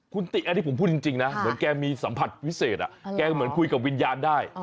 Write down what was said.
คุณติอันนี้ผมพูดจริงนะเหมือนแกมีสัมผัสวิเศษแกเหมือนคุยกับวิญญาณได้